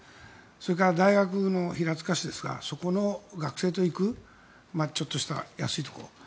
それから大学の、平塚市ですがそこの学生と行くちょっとした安いところ。